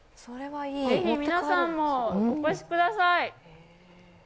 ぜひ皆さんもお越しください！